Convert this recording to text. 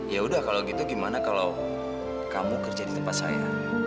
ya udah kalau gitu gimana kalau kamu kerja di tempat saya